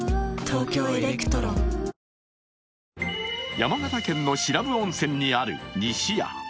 山形県の白布温泉にある西屋。